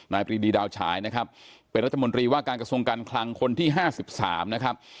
ปรีดีดาวฉายนะครับเป็นรัฐมนตรีว่าการกระทรวงการคลังคนที่๕๓นะครับ